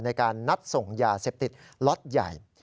ในการนัดส่งยาเสพติดล็อตใหญ่